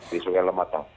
di sungai lemakang